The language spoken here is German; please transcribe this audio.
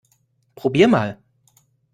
Probier mal!